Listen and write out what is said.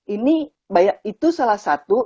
ini itu salah satu